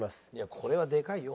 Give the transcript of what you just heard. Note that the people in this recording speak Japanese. これはでかいよ